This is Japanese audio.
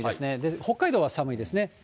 北海道は寒いですね。